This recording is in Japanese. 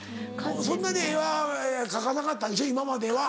そんなに絵は描かなかったんでしょ今までは。